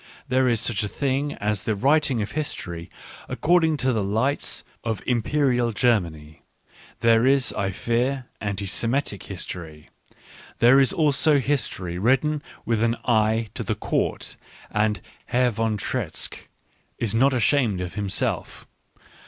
There is such a thing as the writing of history according to the lights of Imperial Germany; there is, I fear, anti Semitic history — there is also history written with an eye to the Court, and Herr von Treitschke is not ashamed of himself.